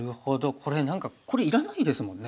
これ何かこれいらないですもんね。